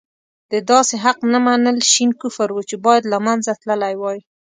د داسې حق نه منل شين کفر وو چې باید له منځه تللی وای.